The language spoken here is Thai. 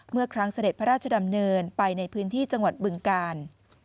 เมื่อครั้งเสด็จพระราชดำเนินไปในพื้นที่จังหวัดบึงกาล